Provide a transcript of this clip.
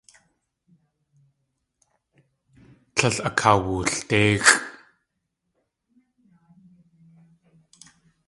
Tlél akawuldéixʼ.